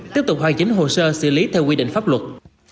tiếp tục hoàn chính hồ sơ xử lý theo quy định pháp luật